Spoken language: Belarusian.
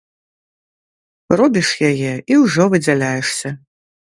Робіш яе і ўжо выдзяляешся.